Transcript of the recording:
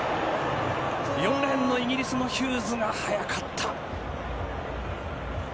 ４レーンのイギリスのヒューズが早かった。